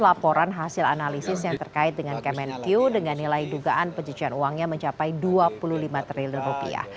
selaporan hasil analisis yang terkait dengan kemenku dengan nilai dugaan penjejuan uangnya mencapai rp dua puluh lima triliun